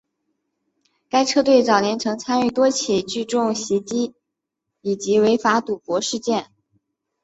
该车队早年曾参与多起聚众袭击以及违法聚赌事件。